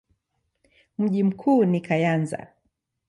Mji mkuu ni Kayanza.